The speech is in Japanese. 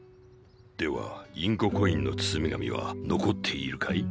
ではインココインの包み紙は残っているかい？